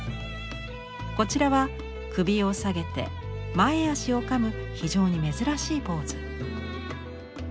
こちらは首を下げて前足をかむ非常に珍しいポーズ。